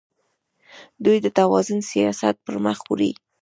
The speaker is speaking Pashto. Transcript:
دوی د توازن سیاست پرمخ وړي.